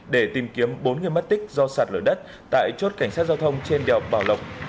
để tìm kiếm bốn người mất tích do sạt lở đất tại chốt cảnh sát giao thông trên đèo bảo lộc